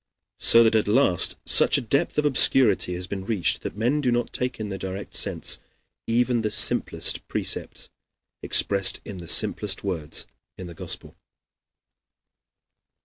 So that at last such a depth of obscurity has been reached that men do not take in their direct sense even the simplest precepts, expressed in the simplest words, in the Gospel.